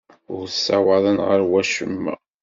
Ur ssawaḍen ɣer wacemma.